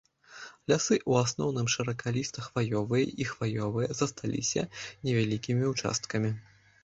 Лясы ў асноўным шыракаліста-хваёвыя і хваёвыя, засталіся невялікімі ўчасткамі.